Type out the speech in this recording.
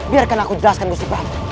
biarkan aku jelaskan kusip ramu